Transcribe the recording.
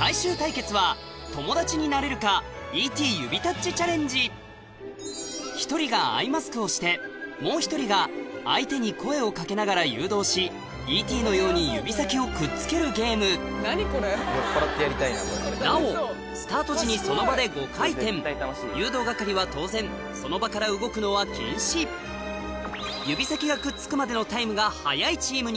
最終対決は１人がアイマスクをしてもう１人が相手に声をかけながら誘導しＥ．Ｔ．のように指先をくっつけるゲームなおスタート時にその場で５回転誘導係は当然その場から動くのは禁止さぁ